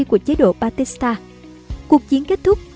của chế độ batista cuộc chiến kết thúc